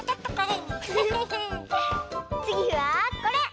つぎはこれ。